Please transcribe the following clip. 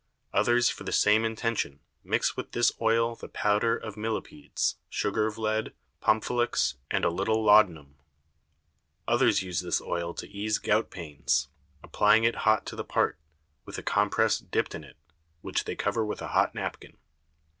Others for the same Intention mix with this Oil the Powder of Millepedes, Sugar of Lead, Pompholix, and a little Laudanum. Others use this Oil to ease Gout Pains, applying it hot to the Part, with a Compress dip'd in it, which they cover with a hot Napkin.